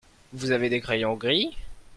Vous avez des crayons gris ?